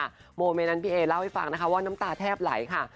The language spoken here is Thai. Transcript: ออกมาที่นั่นพี่เอ๋ยเล่าให้ฟังว่าน้ำตาแทบหลายค่ะ